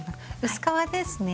薄皮ですね。